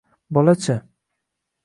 Bola-chi?